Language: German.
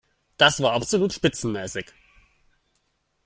Das war absolut spitzenmäßig!